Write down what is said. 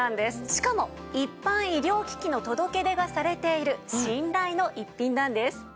しかも一般医療機器の届け出がされている信頼の逸品なんです。